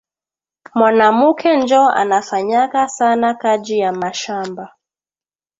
Mwanamuke njo anafanyaka sana kaji ya mashamba